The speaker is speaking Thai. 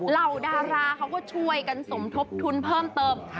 เหล่าดาราเขาก็ช่วยกันสมทบทุนเพิ่มเติม